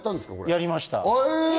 やりました。